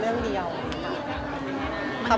เรื่องเดียวค่ะ